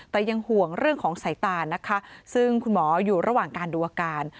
แต่ยังห่วงเรื่องของสายตานะคะซึ่งคุณหมออยู่ระหว่างการดูอาการ